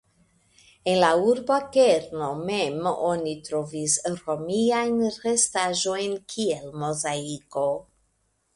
En la urba kerno mem oni trovis romiajn restaĵojn kiel mozaiko.